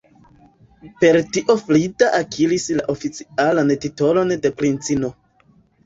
Per tio Frida akiris la oficialan titolon de princino.